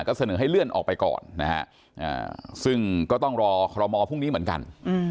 ก็เสนอให้เลื่อนออกไปก่อนนะฮะซึ่งก็ต้องรอคอรมอพรุ่งนี้เหมือนกัน